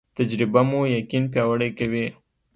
تجربه مو یقین پیاوړی کوي